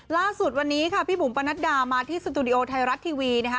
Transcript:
ล่าสุดวันนี้ค่ะพี่บุ๋มปนัดดามาที่สตูดิโอไทยรัฐทีวีนะคะ